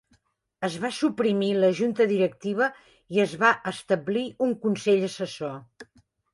Es va suprimir la junta directiva i es va establir un consell assessor.